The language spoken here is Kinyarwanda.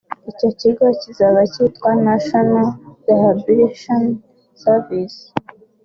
Icyo kigo kizaba cyita ‘National Rehabilitation Services’